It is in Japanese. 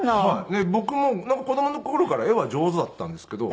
で僕も子供の頃から絵は上手だったんですけど。